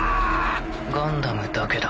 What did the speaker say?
ガンダムだけだ。